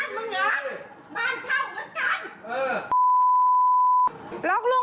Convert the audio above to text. เอ่อไม่รู้เยอะมาก็บ้านที่หลัง